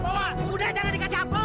udah ula atu aja ke preached